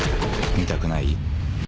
見たくない？